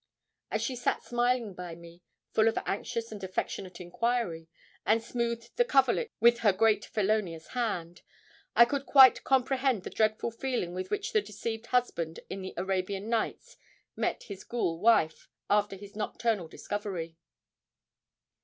As she sat smiling by me, full of anxious and affectionate enquiry, and smoothed the coverlet with her great felonious hand, I could quite comprehend the dreadful feeling with which the deceived husband in the 'Arabian Nights' met his ghoul wife, after his nocturnal discovery.